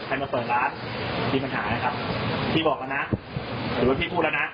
มาเปิดร้านมีปัญหานะครับพี่บอกแล้วนะสมมุติพี่พูดแล้วนะ